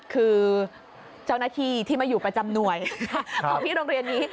คือเจ้าหน้าที่ที่มาอยู่ประจำหน่วยของพี่โรงเรียนนี้